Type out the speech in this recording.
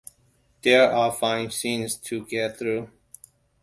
There are five scenes to get through.